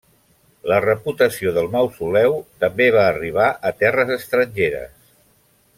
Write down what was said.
La reputació del mausoleu també va arribar a terres estrangeres.